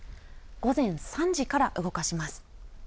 午前３時から動かします。